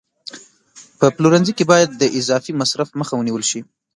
په پلورنځي کې باید د اضافي مصرف مخه ونیول شي.